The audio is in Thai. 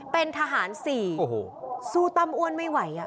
เป็นทหาร๔สู้ตั้มอ้วนไม่ไหว